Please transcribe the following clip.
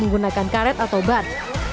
menggunakan karet atau bat